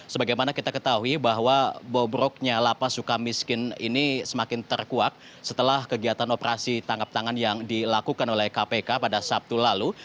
sebagaimana kita ketahui bahwa bobroknya lapas suka miskin ini semakin terkuak setelah kegiatan operasi tangkap tangan yang dilakukan oleh kpk pada sabtu lalu